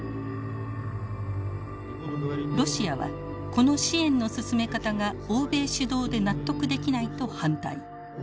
ロシアは「この支援の進め方が欧米主導で納得できない」と反対。